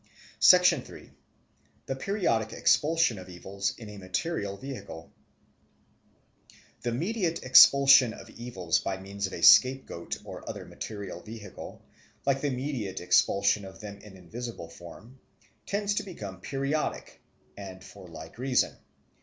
3. The Periodic Expulsion of Evils in a Material Vehicle THE MEDIATE expulsion of evils by means of a scapegoat or other material vehicle, like the immediate expulsion of them in invisible form, tends to become periodic, and for a like reason.